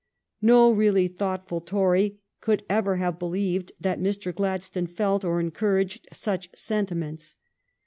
No really thoughtful Tory could ever have believed that Mr. Gladstone felt or encouraged such senti ments.